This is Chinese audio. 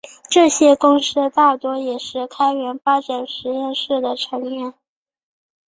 这些公司大多也是开源发展实验室的成员。